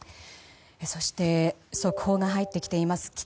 そして速報が入ってきています。